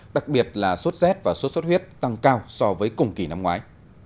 đặc biệt là sốt rét và sốt sốt huyết tăng cao so với cùng kỳ năm ngoái